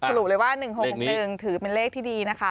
สรุปเลยว่า๑๖๖๑ถือเป็นเลขที่ดีนะคะ